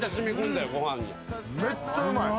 めっちゃうまい。